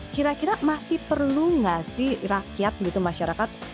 kira kira masih perlu nggak sih rakyat gitu masyarakat